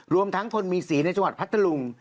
รวมทั้งคนมีสีในจังหวัดพัทธลุง